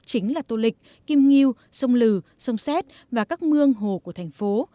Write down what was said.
chính là tô lịch kim nghiêu sông lừ sông xét và các mương hồ của thành phố